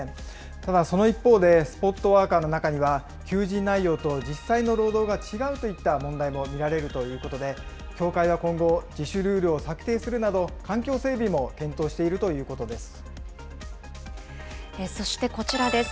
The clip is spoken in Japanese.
ただ、その一方で、スポットワーカーの中には、求人内容と実際の労働が違うといった問題も見られるということで、協会は今後、自主ルールを策定するなど、環境整備も検討しているそしてこちらです。